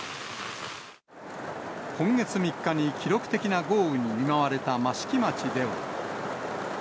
今月３日に記録的な豪雨に見舞われた益城町では。